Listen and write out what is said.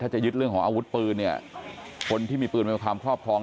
ถ้าจะยึดเรื่องของอาวุธปืนเนี่ยคนที่มีปืนไว้กับความครอบครอง